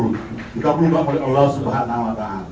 oleh allah swt